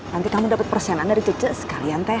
nanti kamu dapet persenan dari cucu sekalian thr